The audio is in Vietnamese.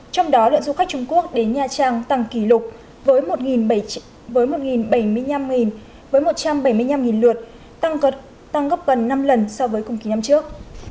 trong đó lượng du khách trung quốc đến nha trang tăng kỷ lục với một bảy mươi năm lượt tăng gấp gần năm lần so với cùng kỳ năm trước